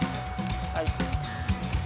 はい。